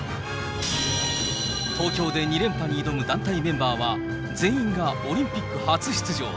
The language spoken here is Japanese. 東京で２連覇に挑む団体メンバーは、全員がオリンピック初出場。